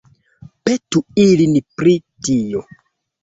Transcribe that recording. Petu ilin pri tio.